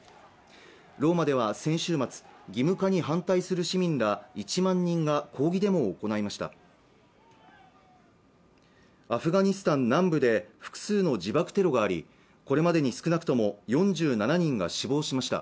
ローマでは先週末義務化に反対する市民ら１万人が抗議デモを行いましたアフガニスタン南部で複数の自爆テロがありこれまでに少なくとも４７人が死亡しました